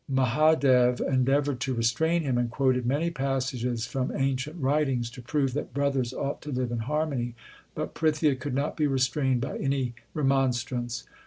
Mahadev endeavoured to restrain him, and quoted many passages from ancient writings to prove that brothers ought to live in harmony ; but Prithia could not be restrained by any remon strance.